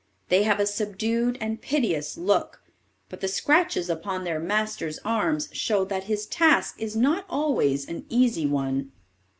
They have a subdued and piteous look; but the scratches upon their master's arms show that his task is not always an easy one."